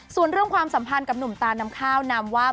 ส่วนเรื่องความสัมพันธ์กับหนุ่มตาน้ำข้าวนำว่า